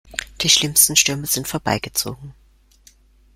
Die schlimmsten Stürme sind vorbei gezogen.